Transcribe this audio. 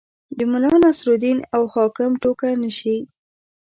د ملا نصرالدین او حاکم ټوکه نه شي.